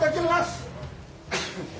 perintah saya udah jelas